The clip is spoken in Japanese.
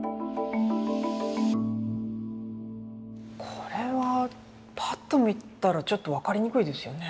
これはぱっと見たらちょっと分かりにくいですよね。